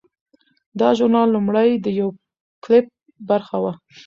دا ژورنال لومړی د یو کلپ برخه وه.